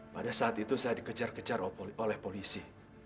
pada saat itu saya dikejar kejar oleh polisi